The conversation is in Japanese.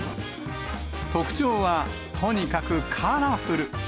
特徴は、とにかくカラフル。